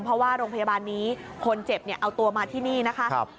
เพราะว่าโรงพยาบาลนี้คนเจ็บเอาตัวมาที่นี่นะคะ